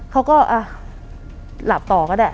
เขาก็หลับต่อก็ได้